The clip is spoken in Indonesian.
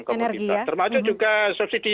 kemudian termasuk juga subsidi